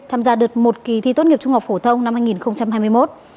tham gia đợt một kỳ thi tốt nghiệp trung học phổ thông năm hai nghìn hai mươi một